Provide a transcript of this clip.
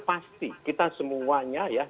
pasti kita semuanya